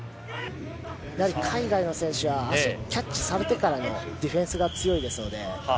海外の選手は足をキャッチされてからのディフェンスが強いですので。